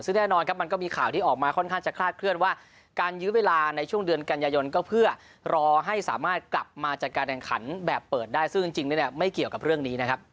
ซึ่งแน่นอนครับมันก็มีข่าวที่ออกมาค่อนข้างจะฆาจเคลื่อน